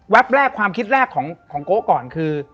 แรกความคิดแรกของโก๊ก่อนคือ